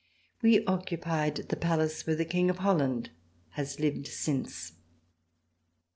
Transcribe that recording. We occupied the Palace where the King of Holland has lived since.